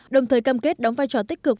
đồng thời cam kết đóng vai trò tích cực